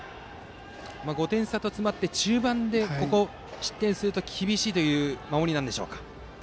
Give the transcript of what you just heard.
５点差と詰まって中盤で失点すると厳しいという守りなんでしょうか。